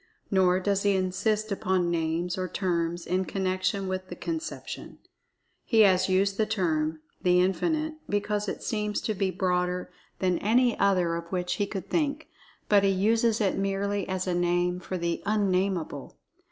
Nor does he insist upon names, or terms, in connection with the conception. He has used the term, "The Infinite," because it seems to be broader than any other of which he could think, but he uses it merely as a name for the Un Nameable.